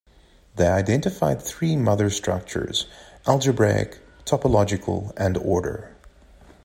They identified three "mother structures": algebraic, topological, and order.